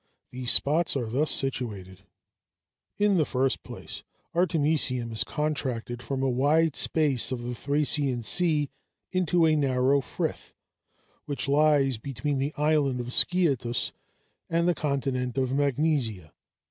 These spots are thus situated. In the first place, Artemisium is contracted from a wide space of the Thracian sea into a narrow frith, which lies between the island of Sciathus and the continent of Magnesia.